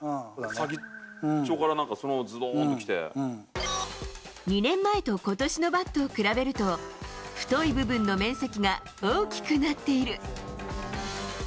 先っちょからなんか、２年前とことしのバットを比べると、太い部分の面積が大きくなっている。